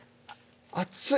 熱い！